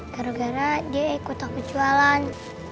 gara gara dia ikut aku jualan